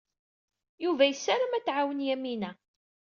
Yuba yessaram ad t-tɛawen Yamina.